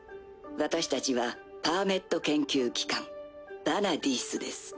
私たちはパーメット研究機関ヴァナディースです。